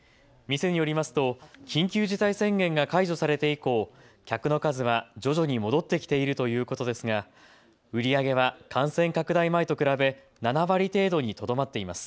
店によりますと緊急事態宣言が解除されて以降、客の数は徐々に戻ってきているということですが売り上げは感染拡大前と比べ７割程度にとどまっています。